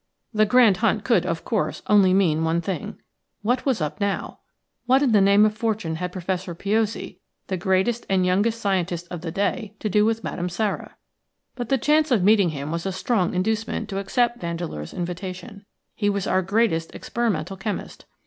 The grand hunt could, of course, only mean one thing. What was up now? What in the name of fortune had Professor Piozzi, the greatest and youngest scientist of the day, to do with Madame Sara? But the chance of meeting him was a strong inducement to accept Vandeleur's invitation. He was our greatest experimental chemist.